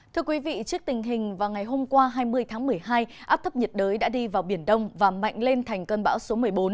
thưa quý vị trước tình hình vào ngày hôm qua hai mươi tháng một mươi hai áp thấp nhiệt đới đã đi vào biển đông và mạnh lên thành cơn bão số một mươi bốn